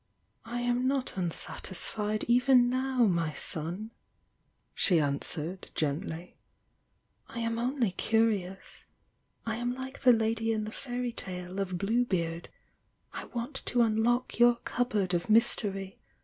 "^ "I am not unsatisfied even now, my son!" she answered, gently— "I am only curiovs! I am like the lady m the fairy tale of 'Blue Beard' 1 want to unlock your cupboard of mystery!